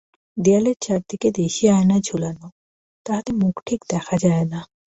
দেয়ালের চারিদিকে দেশী আয়না ঝুলানো, তাহাতে মুখ ঠিক দেখা যায় না।